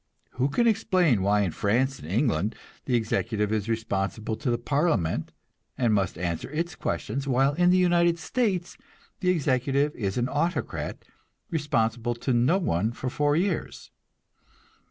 Who can explain why in France and England the executive is responsible to the parliament and must answer its questions, while in the United States the executive is an autocrat, responsible to no one for four years?